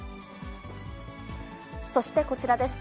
そしてこちらです。